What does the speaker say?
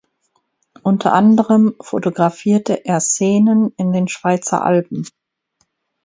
Unter anderem fotografierte er Szenen in den Schweizer Alpen.